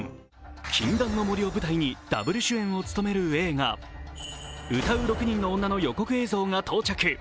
禁断の森を舞台にダブル主演を務める映画「唄う六人の女」の予告映像が到着。